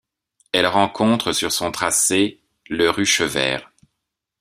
Elle rencontre sur son tracé le rue Chevert.